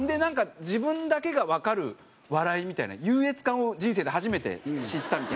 自分だけがわかる笑いみたいな優越感を人生で初めて知ったみたいな。